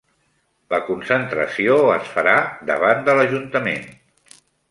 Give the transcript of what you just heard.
La concentració es farà davant de l'ajuntament